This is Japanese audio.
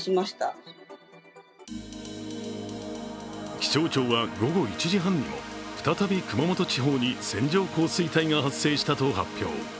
気象庁は午後１時半にも、再び熊本地方に線状降水帯が発生したと発表。